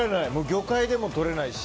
魚介でもとれないし。